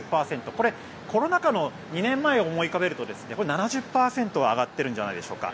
コロナ禍の２年前を思い浮かべると７０％は上がってるんじゃないでしょうか。